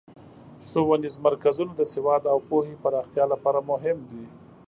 ښوونیز مرکزونه د سواد او پوهې پراختیا لپاره مهم دي.